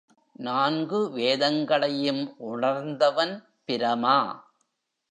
நான்கு வேதங்களையும் உணர்ந்தவன் பிரமா.